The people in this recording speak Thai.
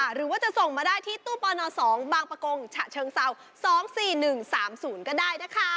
หรือว่าจะส่งมาได้ที่ตู้ปน๒บางประกงฉะเชิงเศร้า๒๔๑๓๐ก็ได้นะคะ